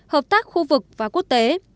tám hợp tác khu vực và quốc tế